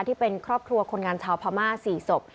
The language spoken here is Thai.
ที่เป็นครอบครัวคนงานชาวพม่า๔ศพ